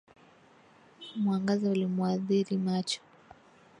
Mwangaza ulimwadhiri macho